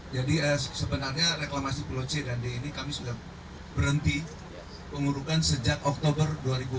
jadi sebenarnya reklamasi pulau c dan d ini kami sudah berhenti pengurukan sejak oktober dua ribu empat belas